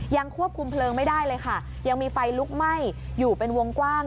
ยังควบคุมเพลิงไม่ได้เลยค่ะยังมีไฟลุกไหม้อยู่เป็นวงกว้าง